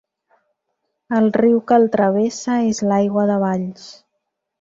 El riu que el travessa és l'Aigua de Valls.